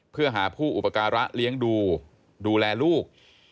เพื่อหาผู้อุปการะเลี้ยงดูดูแลลูก